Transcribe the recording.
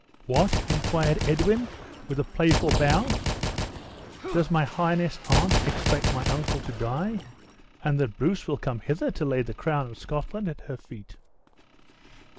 "What!" inquired Edwin, with a playful bow, "does my highness aunt expect my uncle to die, and that Bruce will come hither to lay the crown of Scotland at her feet?"